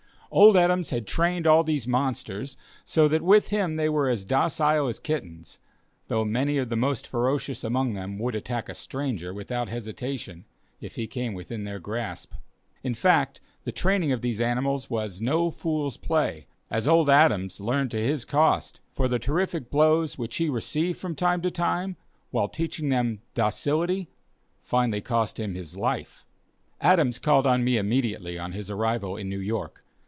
Old Adams had trained all these monsters so that with him they were as docile as kittens, though many of the most ferocious among them would attack a stranger without hesitation, if he came within their grasp. In fact the training of these animals was no fool's play, as Old Adams learned to his cost, for the terrific blows which he received from time to time, while teaching them "docility," finally cost him his life. Adams called on me immediately on his arrival in New York.